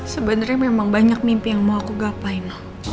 sebenernya memang banyak mimpi yang mau aku gapain